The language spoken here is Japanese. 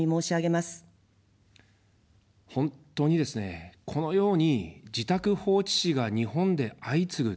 本当にですね、このように自宅放置死が日本で相次ぐ。